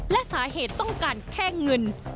และสาเหตุต้องการแค่เงิน